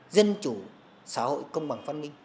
dân chủ xã hội công bằng phân minh